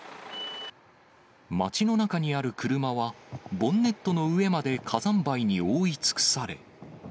街の中にある車はボンネットの上まで火山灰に覆い尽くされ。